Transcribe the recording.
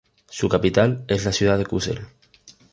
Su capital es la ciudad de Kusel.